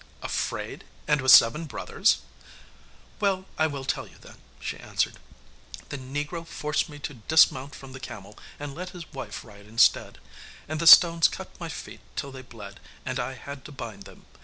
'Afraid! and with seven brothers!' 'Well, I will tell you then,' she answered. 'The negro forced me to dismount from the camel and let his wife ride instead. And the stones cut my feet till they bled and I had to bind them.